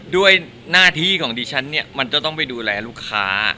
ด้วยหน้าที่ของดิฉันเนี่ยมันจะต้องไปดูแลลูกค้า